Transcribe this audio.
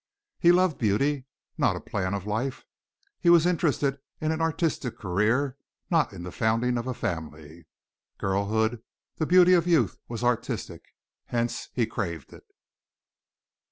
He loved beauty not a plan of life. He was interested in an artistic career, not in the founding of a family. Girlhood the beauty of youth was artistic, hence he craved it.